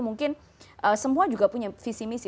mungkin semua juga punya visi misi